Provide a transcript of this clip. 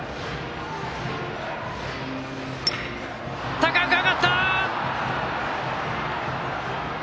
高く上がった！